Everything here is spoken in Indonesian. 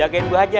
jagain bu aja ya